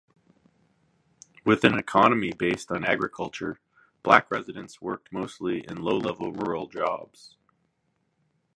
With an economy based on agriculture, black residents worked mostly in low-level rural jobs.